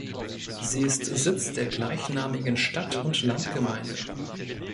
Sie ist Sitz der gleichnamigen Stadt- und Landgemeinde.